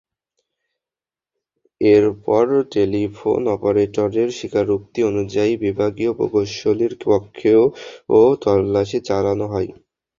এরপর টেলিফোন অপারেটরের স্বীকারোক্তি অনুযায়ী বিভাগীয় প্রকৌশলীর কক্ষেও তল্লাশি চালানো হয়।